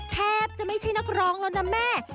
แทบจะไม่ใช่นักร้องแล้วนะแม่